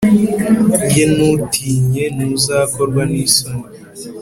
Ye ntutinye ntuzakorwa n isoni